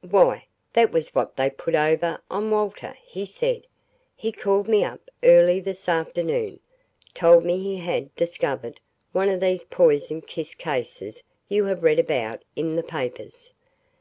"Why that was what they put over on Walter," he said. "He called me up early this afternoon told me he had discovered one of these poisoned kiss cases you have read about in the papers.